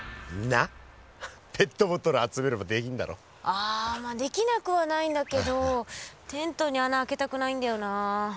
ああまあできなくはないんだけどテントに穴開けたくないんだよな。